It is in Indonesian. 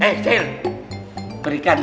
ketemu jaman sahpet